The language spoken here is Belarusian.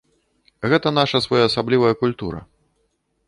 Гэта наша своеасаблівая культура.